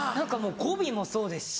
語尾もそうですし。